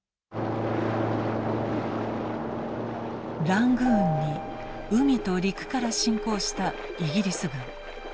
ラングーンに海と陸から侵攻したイギリス軍。